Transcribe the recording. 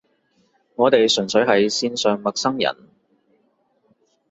我哋純粹係線上陌生人